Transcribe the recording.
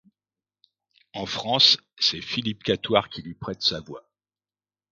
En France, c'est Philippe Catoire qui lui prête sa voix.